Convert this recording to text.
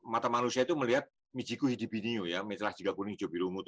mata manusia itu melihat